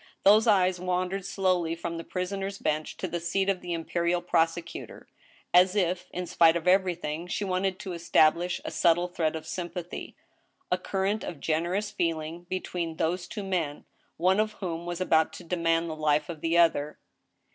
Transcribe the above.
Those eyes wandered slowly from the prisoner's bench to the seat of the im perial prosecutor, as if, in spite of everything, she wanted to estab lish a subtle thread of sympathy, a current of generous feeling, be tween those two men, one of whom was about to demand the life of the other.